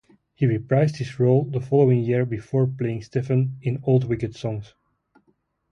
He reprised his role the following year before playing Stephen in "Old Wicked Songs".